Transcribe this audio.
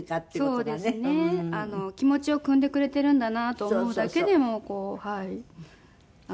気持ちをくんでくれているんだなと思うだけでも助けられます。